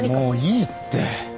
もういいって。